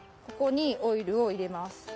こにオイルを入れます。